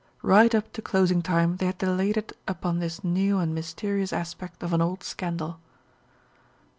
Right up to closing time they had dilated upon this new and mysterious aspect of an old scandal.